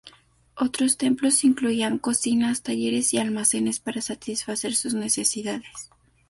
Otros templos incluían cocinas, talleres y almacenes para satisfacer sus necesidades.